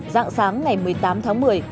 dạng sáng ngày một mươi tám tháng một mươi